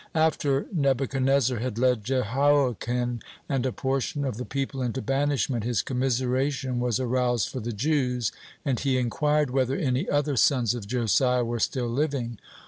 After Nebuchadnezzar had led Jehoiachin and a portion of the people into banishment, his commiseration was aroused for the Jews, and he inquired, whether any other sons of Josiah were still living.